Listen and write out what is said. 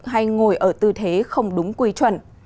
hay ngồi ở tư thế không đúng quy chuẩn